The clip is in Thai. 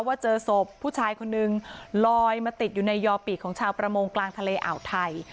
ว่าเจอศพผู้ชายคนนึงลอยมาติดอยู่ในยอปีกของชาวประมงกลางทะเลอ่าวไทย